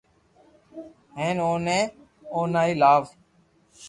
ھين اوني اونلائي لاوو